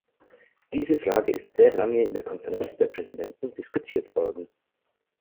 Diese Frage ist sehr lange in der Konferenz der Präsidenten diskutiert worden.